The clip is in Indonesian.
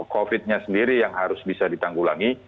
covid nya sendiri yang harus bisa ditanggulangi